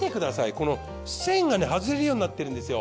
この栓がね外れるようになってるんですよ。